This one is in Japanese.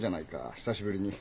久しぶりに。